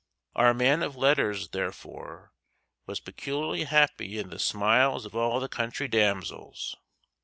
Our man of letters, therefore, was peculiarly happy in the smiles of all the country damsels.